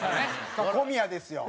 さあ小宮ですよ。